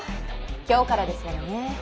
今日からですものね。